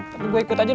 tapi gue ikut aja dong